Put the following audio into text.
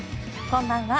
こんばんは。